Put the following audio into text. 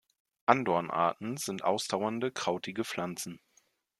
Andorn-Arten sind ausdauernde krautige Pflanzen.